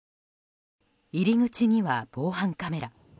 入り口には防犯カメラ。